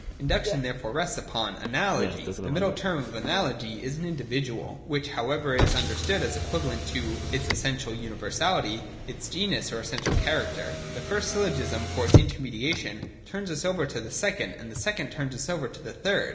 Induction therefore rests upon (3) Analogy. The middle term of Analogy is an individual, which however is understood as equivalent to its essential universality, its genus, or essential character. — The first syllogism for its intermediation turns us over to the second, and the second turns us over to the third.